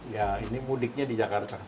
ya ini mudiknya di jakarta